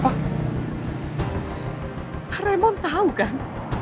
pak raymond tau kan